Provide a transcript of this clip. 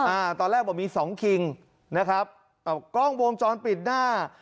อ่าตอนแรกบอกมีสองคิงนะครับเอากล้องวงจรปิดหน้า